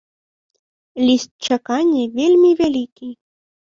Ліст чакання вельмі вялікі.